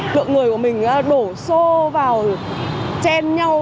lượng người của mình đổ xô vào chen nhau